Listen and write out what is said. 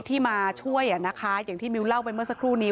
ที่มาช่วยอ่ะนะคะอย่างที่มิวเล่าไปเมื่อสักครู่นี้